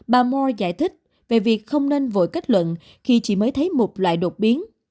bà mo giải thích về việc không nên vội kết luận khi chỉ mới thấy một loại đột biến